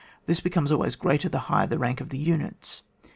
This becomes always greater the higher the rank of the units.